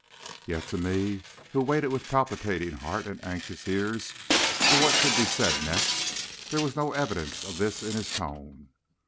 Yet to me, who waited with palpitating heart and anxious ears for what should be said next, there was no evidence of this in his tone.